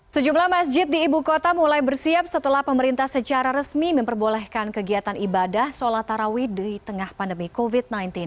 sejumlah masjid di ibu kota mulai bersiap setelah pemerintah secara resmi memperbolehkan kegiatan ibadah sholat tarawih di tengah pandemi covid sembilan belas